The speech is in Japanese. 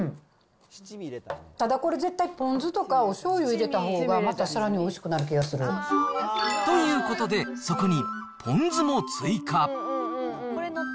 ただこれ、絶対ポン酢とかおしょうゆ入れたほうがまたさらにおいしくなる気ということで、そこにポン酢も追加。